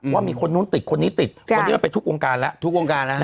ว่ามีคนนู้นติดคนนี้ติดวันนี้มันเป็นทุกวงการแล้ว